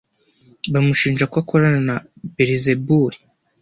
bamushinja ko akorana na Belizebuli